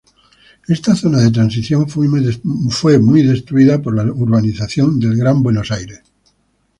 Esta zona de transición fue muy destruida por la urbanización del Gran Buenos Aires.